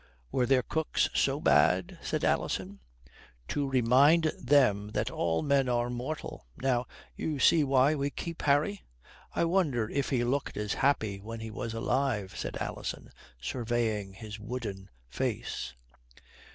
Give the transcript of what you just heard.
"Were their cooks so bad?" said Alison. "To remind them that all men are mortal. Now you see why we keep Harry." "I wonder if he looked as happy when he was alive," said Alison, surveying his wooden face.